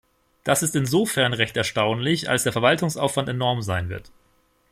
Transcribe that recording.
Das ist insofern recht erstaunlich, als der Verwaltungsaufwand enorm sein wird.